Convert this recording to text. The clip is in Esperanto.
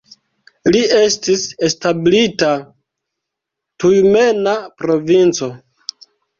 La estis establita Tjumena provinco.